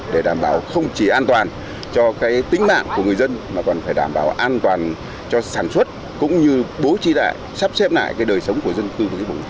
để đảm bảo không chỉ an toàn cho tính mạng của người dân mà còn phải đảm bảo an toàn cho sản xuất cũng như bố trí lại sắp xếp lại cái đời sống của dân cư